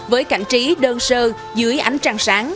với cảnh trí đơn sơ dưới ánh trăng sáng